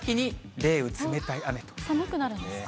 寒くなるんですか。